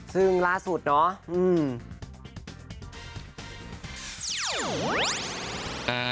ซึ่งล่าสุดเนาะ